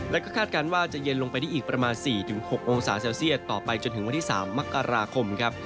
และก็คาดการณ์ว่าจะเย็นลงไปได้อีกประมาณ๔๖องศาเซลเซียตต่อไปจนถึงวันที่๓มกราคมครับ